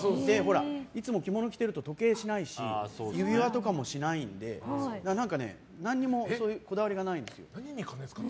いつも着物着ていると時計しないし指輪とかもしないので何か、何もこだわりがないんです。